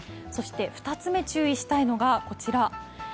そして２つ目、注意したいのがこちら。